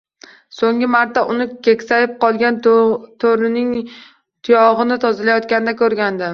So`nggi marta uni keksayib qolgan to`rig`ining tuyog`ini tozalayotganida ko`rgandim